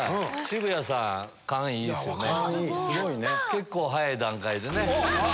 結構早い段階でね。